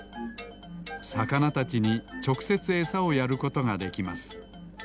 さかなたちにちょくせつエサをやることができます。